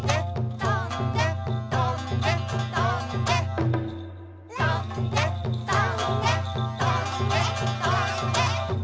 とんでとんでとんでとんで！